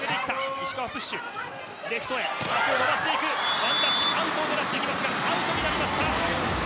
ワンタッチアウトを狙いましたがアウトになりました。